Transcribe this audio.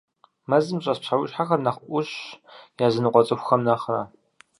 Мэзым щӀэс псэущхьэхэр нэхъ Ӏущщ языныкъуэ цӏыхухэм нэхърэ.